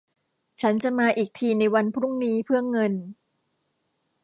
ฉันจะมาอีกทีในวันพรุ่งนี้เพื่อเงิน